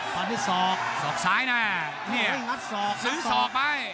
ตอนที่ศอกสอกซ้ายนะนี่งัดศอกซื้อสอกไป